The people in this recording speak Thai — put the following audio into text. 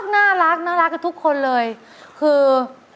น่ารักกับทุกคนเลยคือ